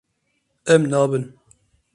Em nabin.